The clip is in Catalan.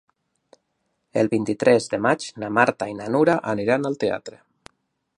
El vint-i-tres de maig na Marta i na Nura aniran al teatre.